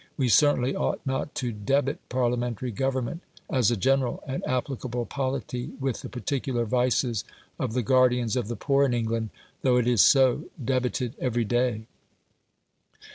We certainly ought not to debit Parliamentary government as a general and applicable polity with the particular vices of the guardians of the poor in England, though it is so debited every day.